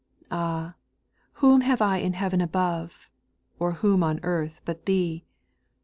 Ah I whom have I in heaven above, or whom on earth but Thee